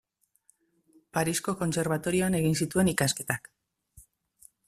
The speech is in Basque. Parisko Kontserbatorioan egin zituen ikasketak.